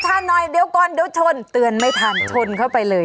เพลิบเตือนเข้าไปเลย